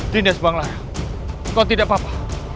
dindas bang lara kau tidak apa apa